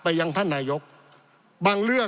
ปี๑เกณฑ์ทหารแสน๒